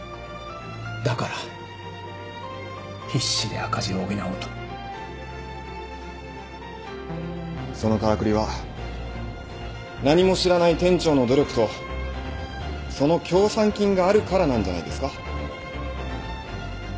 だから必死で赤字を補おうとそのからくりは何も知らない店長の努力とその協賛金があるからなんじゃないですか？